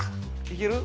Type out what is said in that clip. いける？